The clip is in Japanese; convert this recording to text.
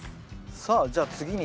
さあじゃあ次に。